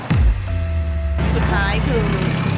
สุดท้ายคือ